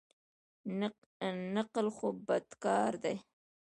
نقل خو بد کار دئ.